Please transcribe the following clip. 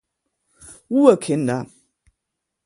Ruhe Kinder!